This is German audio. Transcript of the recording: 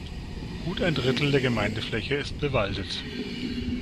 Gut ein Drittel der Gemeindefläche ist bewaldet.